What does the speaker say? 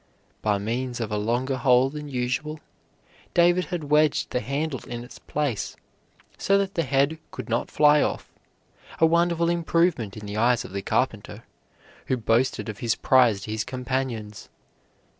By means of a longer hole than usual, David had wedged the handle in its place so that the head could not fly off, a wonderful improvement in the eyes of the carpenter, who boasted of his prize to his companions.